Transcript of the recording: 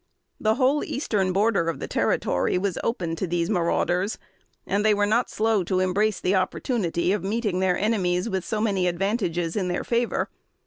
The whole eastern border of the Territory was open to these marauders; and they were not slow to embrace the opportunity of meeting their enemies with so man y advantages in their favor.